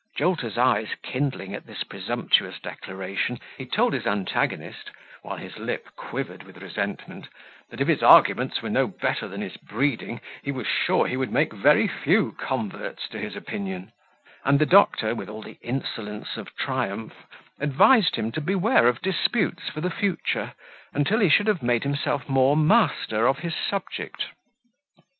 Jolter's eyes kindling at this presumptuous declaration, he told his antagonist, while his lip quivered with resentment, that if his arguments were no better than his breeding, he was sure he would make very few converts to his opinion; and the doctor, with all the insolence of triumph, advised him to beware of disputes for the future, until he should have made himself more master of his subject.